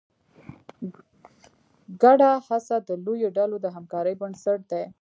ګډه هڅه د لویو ډلو د همکارۍ بنسټ دی.